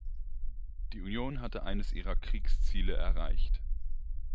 Die Union hatten eines ihrer Kriegsziele erreicht.